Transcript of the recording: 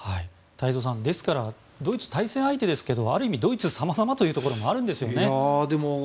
太蔵さんですから、ドイツ対戦相手ですけどある意味ドイツさまさまみたいなところがあるんですよね。